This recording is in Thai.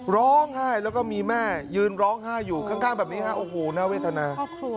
ร้องไห้แล้วก็มีแม่ยืนร้องไห้อยู่ข้างแบบนี้ฮะโอ้โหน่าเวทนา